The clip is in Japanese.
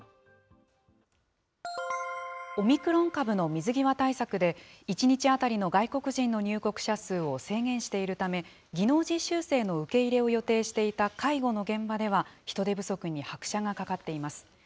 オミクロン株の水際対策で、１日当たりの外国人の入国者数を制限しているため、技能実習生の受け入れを予定していた介護の現場では、人手不足に拍車がかかっています。